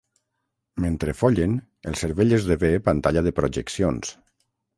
Mentre follen el cervell esdevé pantalla de projeccions.